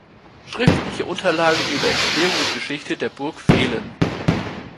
Schriftliche Unterlagen über Entstehung und Geschichte der Burg fehlen.